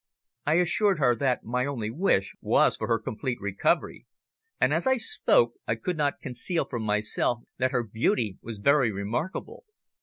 I assured her that my only wish was for her complete recovery, and as I spoke I could not conceal from myself that her beauty was very remarkable.